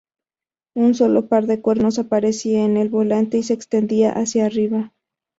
Un solo par de cuernos aparecían en el volante y se extendían hacia arriba.